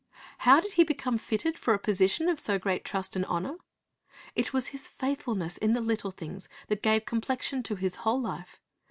How did he become fitted for a position of so great trust and honor? It was his faithfulness in the little things that gave complexion to his whole life.